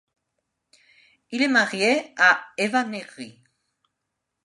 Il est marié à Eva Negri.